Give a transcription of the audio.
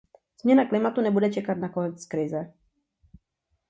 Změna klimatu nebude čekat na konec krize.